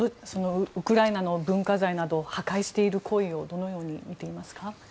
ウクライナの文化財などを破壊している行為をどのように見ていますか？